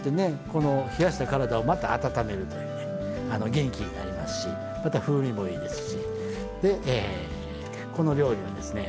この冷やした体をまた温めるというね元気になりますしまた風味もいいですしでえこの料理はですね